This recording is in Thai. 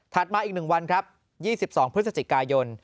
ถัดมาอีกหนึ่งวันครับ๒๒พฤศจิกายน